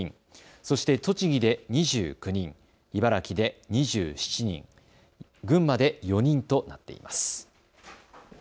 そして栃木で２９人、茨城で２７人、群馬で４人となっています。